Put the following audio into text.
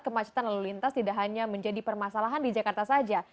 kemacetan lalu lintas tidak hanya menjadi permasalahan di jakarta saja